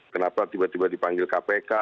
kenapa tiba tiba dipanggil kpk